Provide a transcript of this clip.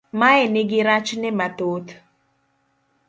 Mae nigi rachne mathoth